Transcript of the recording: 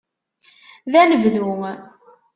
D anebdu.